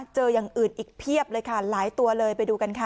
อย่างอื่นอีกเพียบเลยค่ะหลายตัวเลยไปดูกันค่ะ